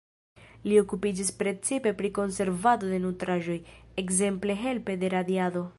Li okupiĝis precipe pri konservado de nutraĵoj, ekzemple helpe de radiado.